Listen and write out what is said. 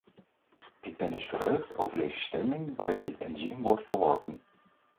Ik ben dus verheugd over deze stemming waarin dit enzym wordt verworpen.